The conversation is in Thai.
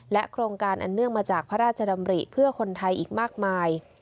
โครงการอันเนื่องมาจากพระราชดำริเพื่อคนไทยอีกมากมาย